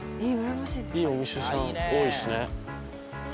いいお店屋さん多いっすね。